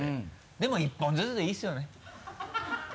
でも１本ずつでいいですよね？